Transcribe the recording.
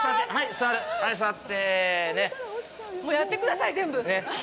座るもうやってください、全部。